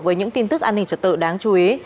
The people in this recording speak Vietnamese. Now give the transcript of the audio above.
với những tin tức an ninh trật tự đáng chú ý